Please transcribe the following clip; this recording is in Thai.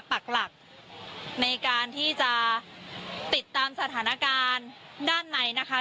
ปากหลักในการที่จะติดตามสถานการณ์ด้านในนะคะ